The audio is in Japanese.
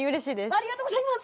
ありがとうございます。